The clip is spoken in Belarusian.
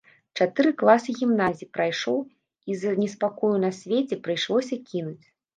Чатыры класы гімназіі прайшоў, і з-за неспакою на свеце прыйшлося кінуць.